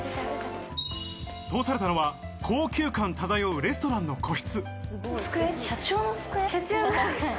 通されたのは高級感漂うレストランの個室。